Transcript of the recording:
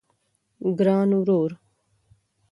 ګران ورور